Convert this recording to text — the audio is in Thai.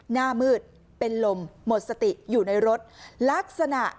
หน้ามืดเป็นลมหมดสติอยู่ในรถลักษณะ